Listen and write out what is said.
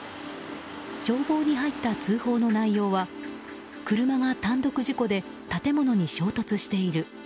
消防に入った通報の内容は車が単独事故で建物に衝突している。